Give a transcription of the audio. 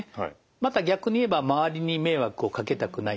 また逆に言えば周りに迷惑をかけたくないと。